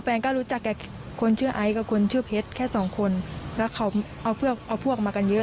เพราะว่าเขาก็มากันเยอะ